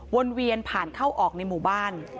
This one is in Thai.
วนเวียนผ่านเข้าออกในหมู่บ้าน